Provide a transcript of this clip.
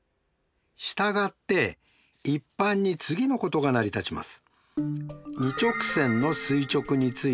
したがって一般に次のことが成り立ちます。